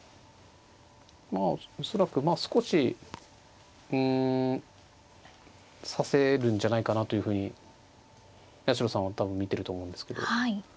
まあ恐らく少しうん指せるんじゃないかなというふうに八代さんは多分見てると思うんですけど。